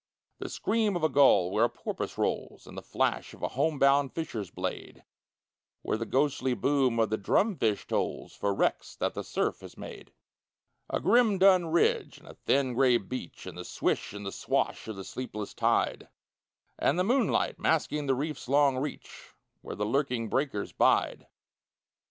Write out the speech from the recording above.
The scream of a gull where a porpoise rolls; And the flash of a home bound fisher's blade, Where the ghostly boom of the drum fish tolls For wrecks that the surf has made. A grim dun ridge, and a thin gray beach, And the swish and the swash of the sleepless tide; And the moonlight masking the reef's long reach, Where the lurking breakers bide.